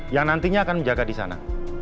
yang nantinya akan menjaga di sana